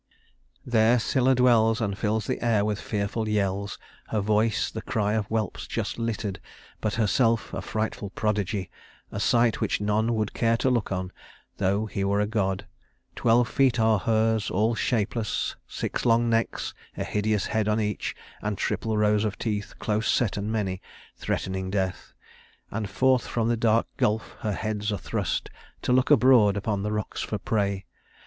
"There Scylla dwells, And fills the air with fearful yells; her voice The cry of whelps just littered, but herself A frightful prodigy a sight which none Would care to look on, though he were a god. Twelve feet are hers, all shapeless, six long necks, A hideous head on each, and triple rows Of teeth, close set and many, threatening death. And forth from the dark gulf her heads are thrust, To look abroad upon the rocks for prey